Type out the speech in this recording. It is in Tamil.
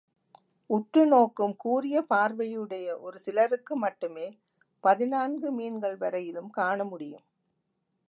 உற்று நோக்கும் கூரிய பார்வையுடைய ஒரு சிலருக்கு மட்டுமே பதினான்கு மீன்கள் வரையிலும் காணமுடியும்.